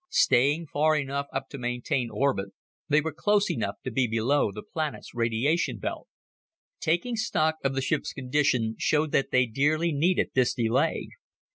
Staying far enough up to maintain orbit, they were close enough to be below the planet's radiation belt. Taking stock of the ship's condition showed that they dearly needed this delay.